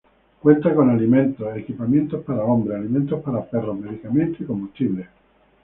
Cuenta con alimentos, equipamiento para hombres, alimento para perros, medicamentos y combustible.